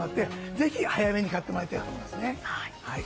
ぜひ早めに買ってもらいたいと思います。